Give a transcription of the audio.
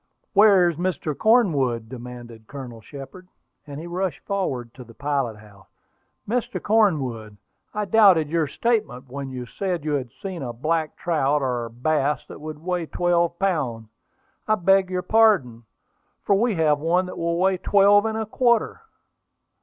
"Where is Mr. Cornwood?" demanded Colonel Shepard; and he rushed forward to the pilot house. "Mr. Cornwood, I doubted your statement when you said you had seen a black trout, or bass, that would weigh twelve pounds. I beg your pardon, for we have one that will weigh twelve and a quarter."